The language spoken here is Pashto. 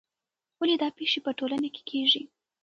ولې دا پېښې په ټولنه کې کیږي؟